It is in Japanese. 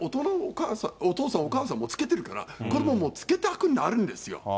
お父さんお母さんもつけてるから、子どももつけたくなるんですよ。